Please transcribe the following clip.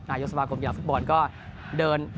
นายกษัมภาคมเกียรติฟุตบอลก็เดิน